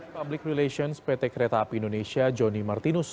public relations pt kereta api indonesia joni martinus